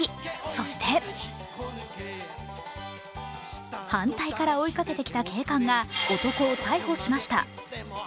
そして反対から追いかけてきた警官が男を逮捕しました。